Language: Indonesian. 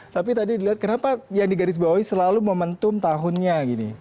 tapi tadi dilihat kenapa yang digarisbawahi selalu momentum tahunnya gini